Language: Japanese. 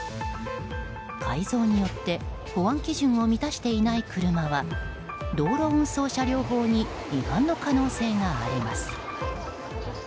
改造によって保安基準を満たしていない車は道路運送車両法に違反の可能性があります。